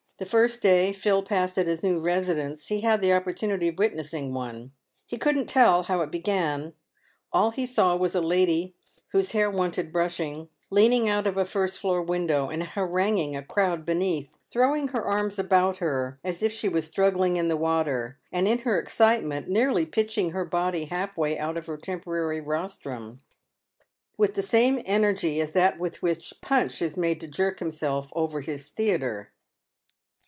The first day Phil passed at his new residence he had the opportunity of witnessing one. He couldn't tell how it began. All he saw was a lady, whose hair wanted brushing, leaning out of a first floor window, and haranguing a crowd beneath, throwing her arms about her as if she was struggling in the water, and in her excitement nearly pitching her body half way out of her temporary rostrum, with the same energy as that with which Punch is made to jerk himself over his theatre.